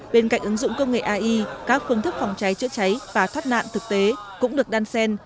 bên cạnh ứng dụng công nghệ ai các phương thức phòng cháy chữa cháy và thoát nạn thực tế cũng được đan sen